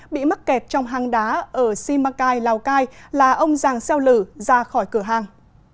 bị mắc kẹt trong hang đá ở simacai lào cai là ông giàng xeo lử ra khỏi cửa hàng